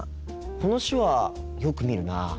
この手話よく見るな。